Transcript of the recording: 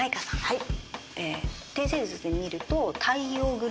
はい。